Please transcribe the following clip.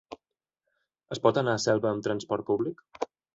Es pot anar a Selva amb transport públic?